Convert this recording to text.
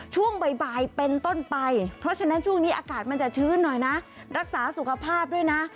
ช่วงบ่ายเป็นต้นไปเพราะฉะนั้นช่วงนี้อากาศมันจะชื้นหน่อยนะรักษาสุขภาพด้วยนะ